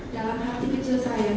dalam hati kecil saya